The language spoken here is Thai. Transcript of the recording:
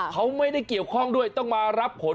เขาไม่ได้เกี่ยวข้องด้วยต้องมารับผล